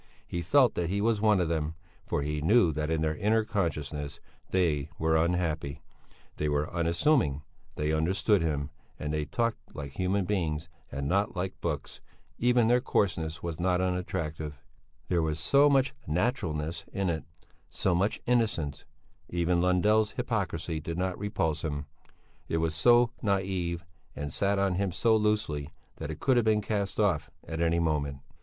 He felt that he was one of them, for he knew that in their inner consciousness they were unhappy; they were unassuming; they understood him, and they talked like human beings and not like books; even their coarseness was not unattractive; there was so much naturalness in it, so much innocence; even Lundell's hypocrisy did not repulse him; it was so naïve and sat on him so loosely, that it could have been cast off at any moment.